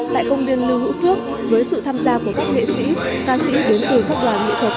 tại công viên lưu hữu phước với sự tham gia của các nghệ sĩ ca sĩ đến từ các đoàn nghệ thuật